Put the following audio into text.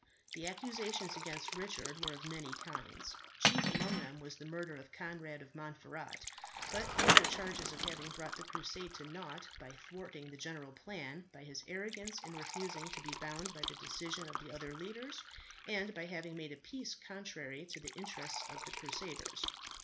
The accusations against Richard were of many kinds. Chief among them was the murder of Conrad of Montferat; but there were charges of having brought the crusade to naught by thwarting the general plans, by his arrogance in refusing to be bound by the decision of the other leaders, and by having made a peace contrary to the interests of the crusaders.